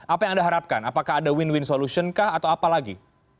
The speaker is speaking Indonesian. apa yang anda harapkan apakah ada win win solution kah atau apa lagi